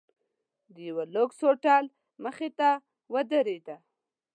د یوه لوکس هوټل مخې ته ودریده.